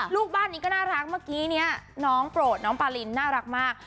ลูกบ้านนี้ก็น่ารักเมื่อกี้เนี่ยน้องโปรดน้องปารินน่ารักมาก